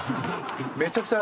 めちゃくちゃ。